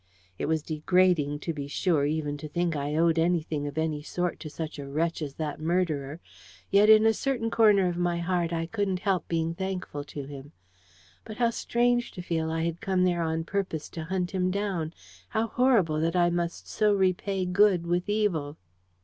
It was degrading, to be sure, even to think I owed anything of any sort to such a wretch as that murderer; yet in a certain corner of my heart I couldn't help being thankful to him. But how strange to feel I had come there on purpose to hunt him down! How horrible that I must so repay good with evil!